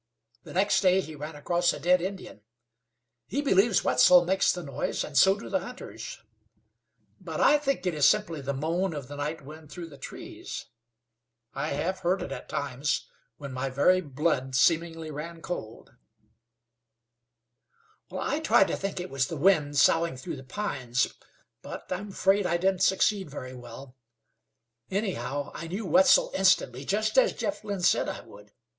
The next day he ran across a dead Indian. He believes Wetzel makes the noise, and so do the hunters; but I think it is simply the moan of the night wind through the trees. I have heard it at times, when my very blood seemingly ran cold." "I tried to think it was the wind soughing through the pines, but am afraid I didn't succeed very well. Anyhow, I knew Wetzel instantly, just as Jeff Lynn said I would.